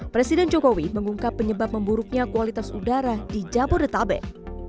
presiden jokowi mengungkap penyebab memburuknya kualitas udara di jabodetabek